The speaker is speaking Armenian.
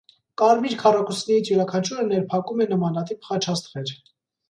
Կարմիր քառակուսիներից յուրաքանչյուրը ներփակում է նմանատիպ խաչաստղեր։